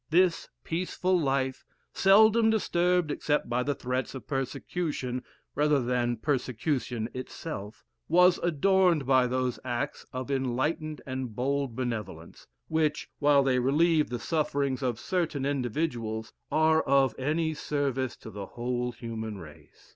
This peaceful life, seldom disturbed except by the threats of persecution rather than persecution itself, was adorned by those acts of enlightened and bold benevolence, which, while they relieve the sufferings of certain individuals, are of any service to the whole human race.